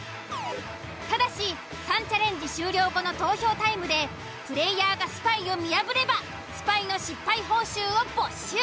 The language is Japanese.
ただし３チャレンジ終了後の投票タイムでプレイヤーがスパイを見破ればスパイの失敗報酬を没収。